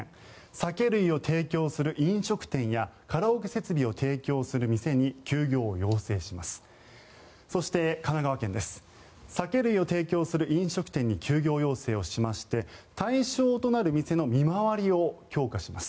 酒類を提供する飲食店やカラオケ設備を提供する店に休業を要請します。